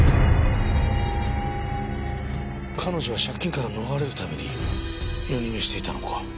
彼女は借金から逃れるために夜逃げしていたのか。